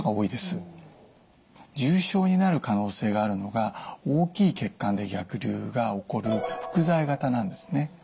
重症になる可能性があるのが大きい血管で逆流が起こる伏在型なんですね。